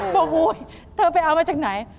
บอกโหเธอไปเอามาจากไหน